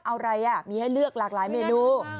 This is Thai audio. เอาอะไรมีให้เลือกหลากหลายเมนู